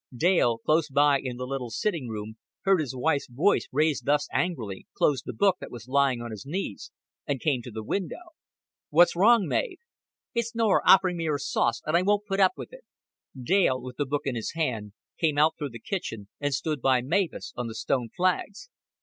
Dale, close by in the little sitting room, heard his wife's voice raised thus angrily, closed the book that was lying open on his knees, and came to the window. "What's wrong, Mav?" "It's Norah offering me her sauce, and I won't put up with it." Dale, with the book in his hand, came out through the kitchen, and stood by Mavis on the stone flags.